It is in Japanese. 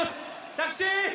タクシー！